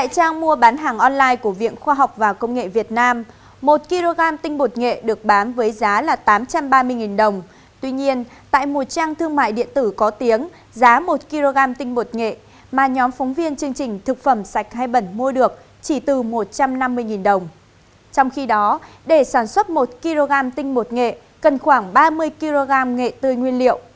các bạn hãy đăng ký kênh để ủng hộ kênh của chúng mình nhé